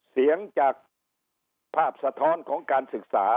เสียงจากภาพสะท้อนของการศึกษา